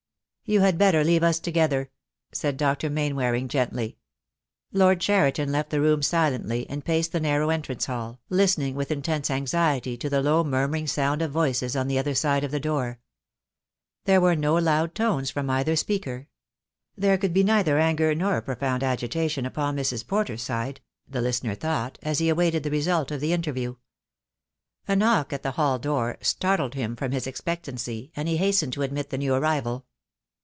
"You had better leave us together," said Dr. Main waring, gently. Lord Cheriton left the room silently, and paced the narrow entrance hall, listening with intense anxiety to the low murmuring sound of voices on the other side of the door. 2 6o THE DAY WILL COME. There were no loud tones from either speaker. There could be neither anger nor profound agitation upon Mrs. Porter's side, the listener thought, as he awaited the result of the interview. A knock at the hall door startled him from his expectancy, and he hastened to admit the new arrival.